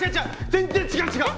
全然違う違う！